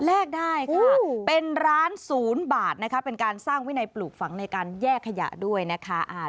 ได้ค่ะเป็นร้านศูนย์บาทนะคะเป็นการสร้างวินัยปลูกฝังในการแยกขยะด้วยนะคะ